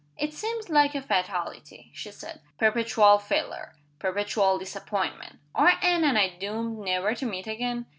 "It seems like a fatality," she said. "Perpetual failure! Perpetual disappointment! Are Anne and I doomed never to meet again?"